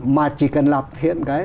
mà chỉ cần làm thiện cái